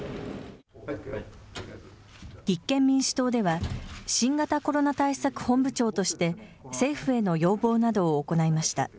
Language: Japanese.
立憲民主党では、新型コロナ対策本部長として、政府への要望などを行いました。